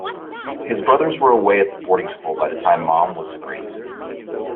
His brothers were away at boarding school by the time Maugham was three.